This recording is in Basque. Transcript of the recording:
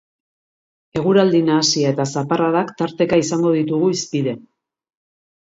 Eguraldi nahasia eta zaparradak tarteka izango ditugu hizpide.